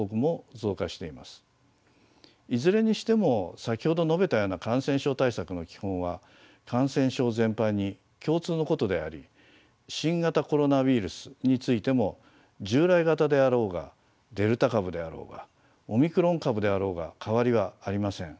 いずれにしても先ほど述べたような感染症対策の基本は感染症全般に共通のことであり新型コロナウイルスについても従来型であろうがデルタ株であろうがオミクロン株であろうが変わりはありません。